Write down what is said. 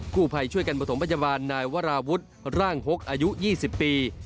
ผู้ภัยช่วยกันประถมพยาบาลนายวราวุฒิร่างฮกอายุ๒๐ปี